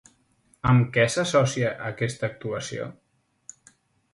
Amb què s'associa aquesta actuació?